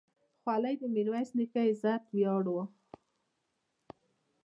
خولۍ د میرویس نیکه عزت ویاړ و.